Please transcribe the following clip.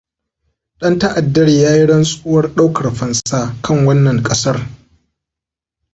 Ɗan ta'addar ya yi rantsuwar ɗaukar fansa kan wannan ƙasar.